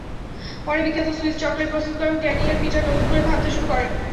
পরে বিখ্যাত Swiss chocolate প্রস্তুতকারক ড্যানিয়েল পিটার নতুন করে ভাবতে শুরু করেন।